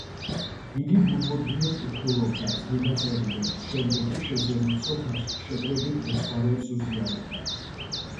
იგი გულმოდგინედ კითხულობდა წმიდა წერილს, შემდეგ კი შეძენილ ცოდნას შემოკრებილ მეცხვარეებს უზიარებდა.